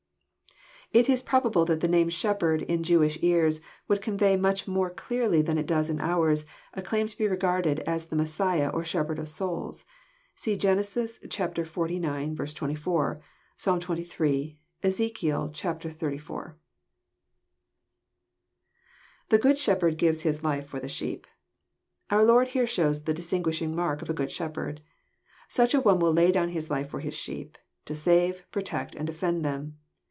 It is probable that the name '< shepherd;" In Jewish ears, would convey, much' more clearly than it does in ours, a claim to be regarded as the Messiah or Shepherd of souls. (See Gen. zlix. 24 ; Psalm xxiii. ; Ezek. zxxlv.) IThe good shepherd giveth his life for the sheep,"] Onr Lord here shows the distinguishing mark of a good shepherd. Such an one will lay down his life for his sheep, to save, protect, and defend them.